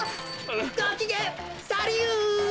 ごきげんサリユ！